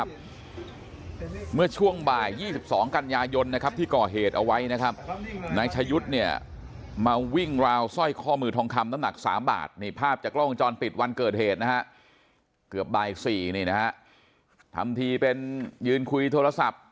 เกือบบ้านอีก๔นี่นะครับทำทีเป็นยืนคุยโทรศัพท์